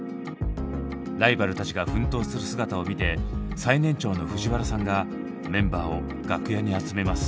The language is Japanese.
ライバルたちが奮闘する姿を見て最年長の藤原さんがメンバーを楽屋に集めます。